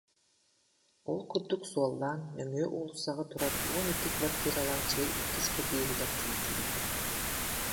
Ол курдук суоллаан нөҥүө уулуссаҕа турар уон икки квартиралаах дьиэ иккис подъеһыгар тиийдибит